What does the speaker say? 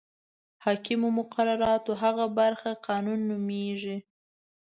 حاکمو مقرراتو هغه برخه قانون نومیږي.